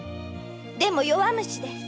でも弱虫です。